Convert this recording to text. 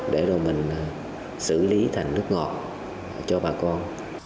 để rồi mình xử lý thành nước ngọt cho bà con